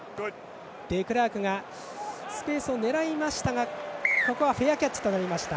デクラークがスペースを狙いましたがここはフェアキャッチとなりました。